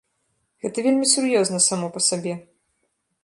Гэта вельмі сур'ёзна само па сабе.